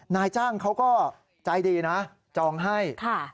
นายจ้างเขาก็ใจดีนะจองให้